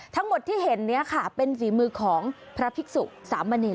ทั้งหมดที่เห็นนี้ค่ะเป็นฝีมือของพระภิกษุสามณี